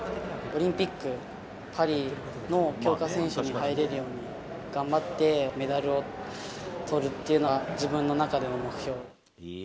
オリンピック、パリの強化選手に入れるように頑張ってメダルをとるっていうのが、自分の中での目標。